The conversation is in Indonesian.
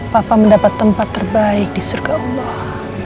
papa mendapat tempat terbaik di surga allah